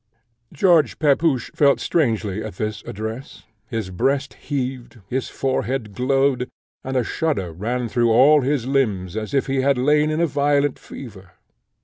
George Pepusch felt strangely at this address; his breast heaved, his forehead glowed, and a shudder ran through all his limbs as if he had lain in a violent fever.